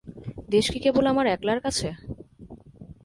দেশ কি কেবল আমার একলার কাছে!